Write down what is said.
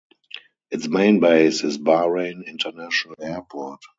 Its main base is Bahrain International Airport.